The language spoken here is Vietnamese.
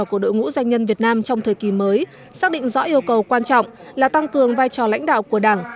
của đội ngũ doanh nhân việt nam trong thời kỳ mới xác định rõ yêu cầu quan trọng là tăng cường vai trò lãnh đạo của đảng